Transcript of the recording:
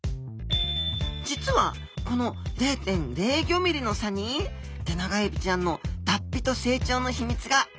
実はこの０．０５ｍｍの差にテナガエビちゃんの脱皮と成長の秘密があるんです。